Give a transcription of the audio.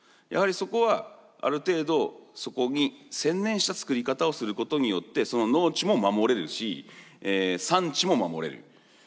やはりそこはある程度そこに専念した作り方をすることによってその農地も守れるし産地も守れる。